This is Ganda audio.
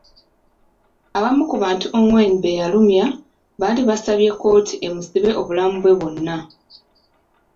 Abamu ku bantu Ongwen be yalumya baali basabye kkooti emusibe obulamu bwe bwonna.